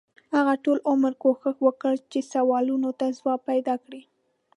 هغه ټول عمر کوښښ وکړ چې سوالونو ته ځواب پیدا کړي.